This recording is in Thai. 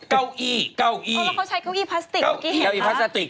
เก้าอี้เก้าอี้เขาใช้เก้าอี้พลาสติกเมื่อกี้เห็นครับเก้าอี้พลาสติก